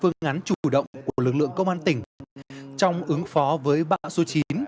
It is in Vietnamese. ngắn chủ động của lực lượng công an tỉnh trong ứng phó với bão số chín